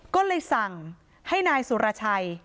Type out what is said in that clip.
ก็เลยสั่งให้นายสุรชัย